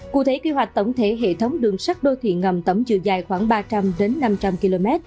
cụ thể quy hoạch tổng thể hệ thống đường sắt đô thị ngầm tổng chiều dài khoảng ba trăm linh năm trăm linh km